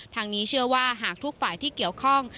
ทางนี้เชื่อว่าหากทุกฝ่ายที่เกี่ยวข้อง